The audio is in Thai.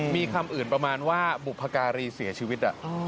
มีคำอื่นประมาณว่าบุพการีเสียชีวิต